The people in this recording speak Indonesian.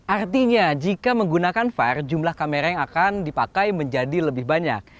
artinya jika menggunakan var jumlah kamera yang akan dipakai menjadi lebih banyak